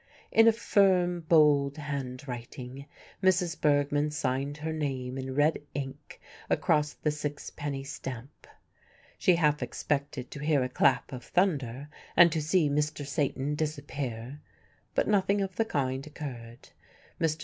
In a firm, bold handwriting Mrs. Bergmann signed her name in red ink across the sixpenny stamp. She half expected to hear a clap of thunder and to see Mr. Satan disappear, but nothing of the kind occurred. Mr.